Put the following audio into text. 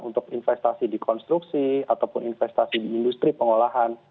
untuk investasi di konstruksi ataupun investasi di industri pengolahan